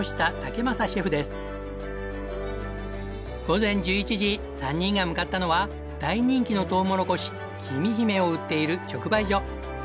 午前１１時３人が向かったのは大人気のとうもろこしきみひめを売っている直売所。